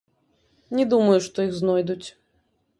Не думаю, што іх знойдуць.